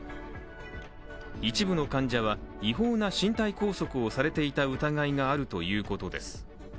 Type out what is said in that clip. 一部の患者は違法な身体拘束をされていた疑いがあるということです。